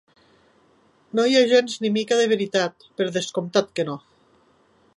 No hi ha gens ni mica de veritat, per descomptat que no.